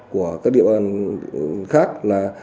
của các địa bàn khác là